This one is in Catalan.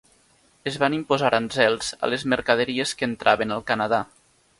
Es van imposar aranzels a les mercaderies que entraven al Canadà.